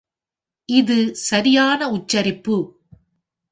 இதன் சரியான உச்சரிப்பு.